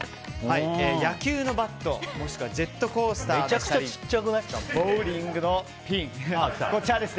野球のバット、もしくはジェットコースターの車輪ボウリングのピン。